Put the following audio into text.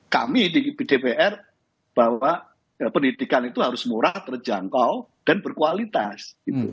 kami di dpr bahwa pendidikan itu harus murah terjangkau dan berkualitas